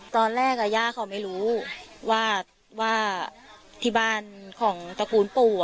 ตอนแรกอ่ะย่าเขาไม่รู้ว่าว่าที่บ้านของตระกูลปู่อ่ะ